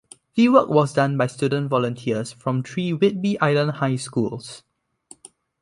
The work was done by student volunteers from three Whidbey Island high schools.